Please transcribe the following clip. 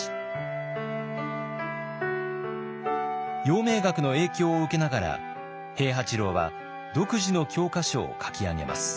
陽明学の影響を受けながら平八郎は独自の教科書を書き上げます。